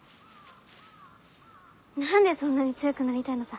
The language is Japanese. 何でそんなに強くなりたいのさ？